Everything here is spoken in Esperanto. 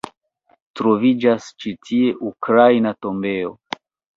Troviĝas ĉi tie ukraina tombejo.